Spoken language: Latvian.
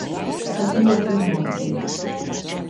Tas ļoti uzmundrina.